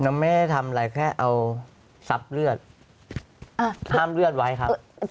แล้วไม่ได้ทำอะไรแค่เอาซับเลือดห้ามเลือดไว้ครับ